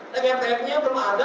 tkpf nya belum ada